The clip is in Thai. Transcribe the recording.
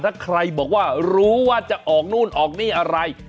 ถ้าใครบอกว่ารู้ว่าจะออกนู่นออกนี่อะไร